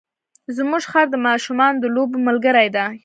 زموږ خر د ماشومانو د لوبو ملګری دی.